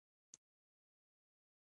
د پکتیا په ډنډ پټان کې د څه شي نښې دي؟